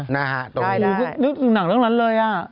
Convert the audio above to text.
น่าฮะตรงนี้ใช่ได้นึกถึงหนังเรื่องนั้นเลย